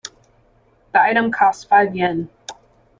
The item costs five Yen.